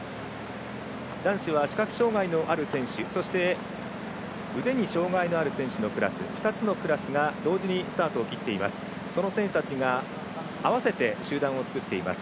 男子は視覚障がいのある選手そして、腕に障がいのあるクラス２つのクラスが同時にスタートを切っています。